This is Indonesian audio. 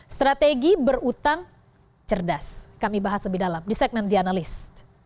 strategi berutang cerdas kami bahas lebih dalam di segmen the analyst